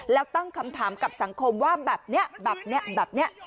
แล้วตั้งคำถามกับสังคมว่าแบบนี้แบบนี้แบบนี้